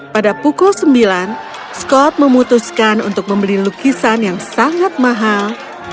pada pukul sembilan scott memutuskan untuk membeli lukisan yang sangat mahal